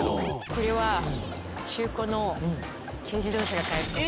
これは中古の軽自動車が買えると思います。